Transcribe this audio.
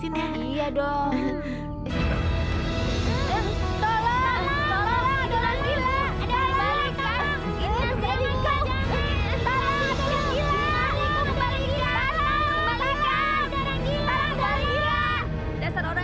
itu dia pembunuhnya tuh